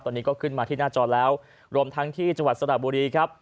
ตอนนี้ก็ขึ้นมาที่หน้าจอแล้วรวมทั้งที่จังหวัดสระบุรีครับ